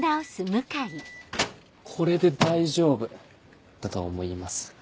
これで大丈夫だと思います。